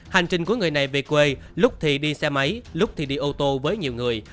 hành trình của người này về quê lúc thì đi xe máy lúc thì đi ô tô với nhiều người